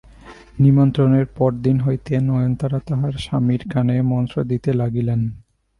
নিমন্ত্রণের পরদিন হইতে নয়নতারা তাঁহার স্বামীর কানে মন্ত্র দিতে লাগিলেন।